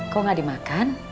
kok enggak dimakan